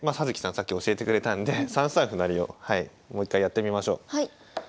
さっき教えてくれたんで３三歩成をもう一回やってみましょう。